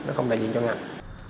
nó không đại diện cho ngành